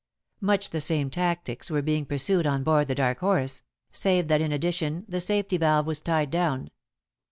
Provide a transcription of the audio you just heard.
Much the same tactics were being pursued on board The Dark Horse, save that in addition the safety valve was tied down.